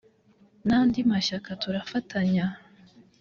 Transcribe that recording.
n’andi mashyaka tutarafatanya